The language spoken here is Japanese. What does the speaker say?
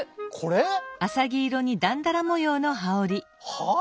はあ？